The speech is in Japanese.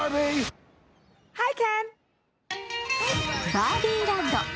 「バービーランド」